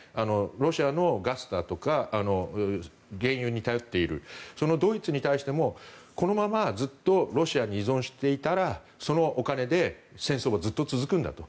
ロシアのガスだとか原油に頼っているそのドイツに対してもこのままずっとロシアに依存していたらそのお金で戦争はずっと続くんだと。